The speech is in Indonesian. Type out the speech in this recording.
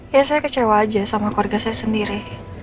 ya saya kecewa aja sama keluarga saya sendiri